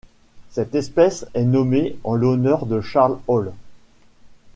Cette espèce est nommée en l'honneur de Charles Hall.